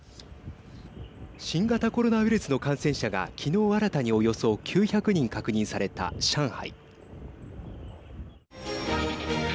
新型コロナウイルスの感染者がきのう新たに、およそ９００人確認された上海。